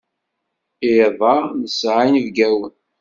Iḍ-a nesɛa inebgawen.